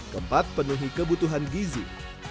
keempat penuhi kebutuhan gizi